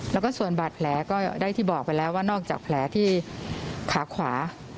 แล้วก็ส่วนบาดแผลก็ได้ที่บอกไปแล้วว่านอกจากแผลที่ขาขวา